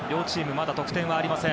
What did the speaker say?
まだ得点ありません。